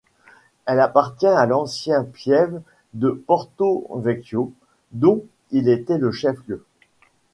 Elle appartient à l'ancienne piève de Porto-Vecchio dont elle était le chef-lieu.